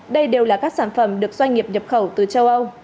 đây đều là các sản phẩm được doanh nghiệp nhập khẩu từ châu âu